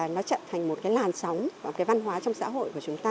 nó trở thành một cái làn sóng và cái văn hóa trong xã hội của chúng ta